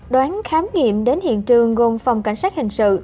đoán khám nghiệm đến hiện trường gồm phòng cảnh sát hình sự